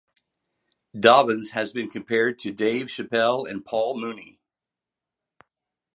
Dobbins has been compared to Dave Chappelle and Paul Mooney.